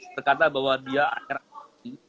berkata bahwa dia air akar